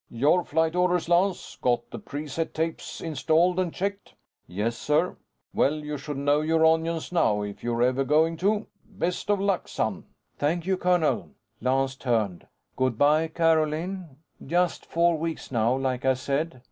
"Your flight orders, Lance. Got the preset tapes installed and checked?" "Yes, sir." "Well, you should know your onions now, if you're ever going to. Best of luck, son." "Thank you, colonel." Lance turned. "Good by, Carolyn. Just four weeks now, like I said."